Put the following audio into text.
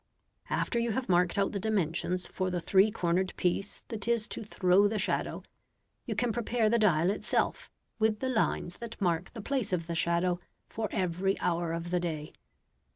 After you have marked out the dimensions for the three cornered piece that is to throw the shadow, you can prepare the dial itself, with the lines that mark the place of the shadow for every hour of the day.